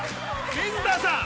水田さん？